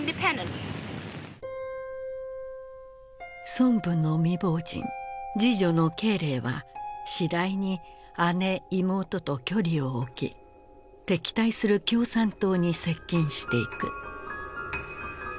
孫文の未亡人次女の慶齢は次第に姉妹と距離を置き敵対する共産党に接近していく。